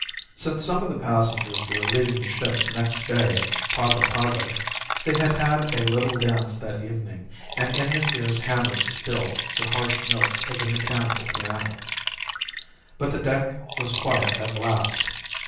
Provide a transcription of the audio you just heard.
Since some of the passengers were leaving the ship next day at Pago Pago they had had a little dance that evening and in his ears hammered still the harsh notes of the mechanical piano. But the deck was quiet at last.